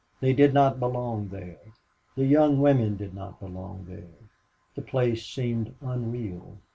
They did not belong there; the young women did not belong there. The place seemed unreal.